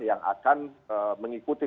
yang akan mengikuti